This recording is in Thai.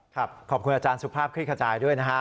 ขอบคุณอาจารย์สุภาพคลิกขจายด้วยนะฮะ